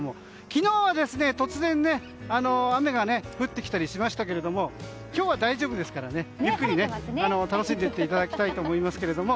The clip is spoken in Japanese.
昨日は突然、雨が降ってきたりしましたけど今日は大丈夫ですからゆっくり楽しんでいただきたいと思います。